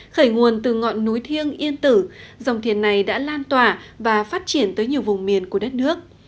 khởi nguồn từ ngọn núi thiêng yên tử dòng thiền này đã lan tỏa và phát triển tới nhiều vùng miền của đất nước